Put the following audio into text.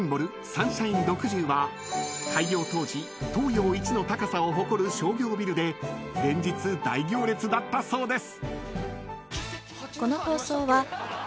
サンシャイン６０は開業当時東洋一の高さを誇る商業ビルで連日大行列だったそうです］